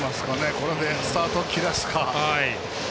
これでスタートを切らすか。